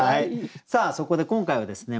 さあそこで今回はですね